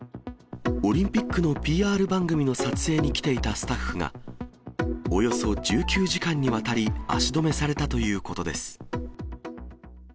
オリンピックのＰＲ番組の撮影に来ていたスタッフが、およそ１９時間にわたり、足止めされたということです。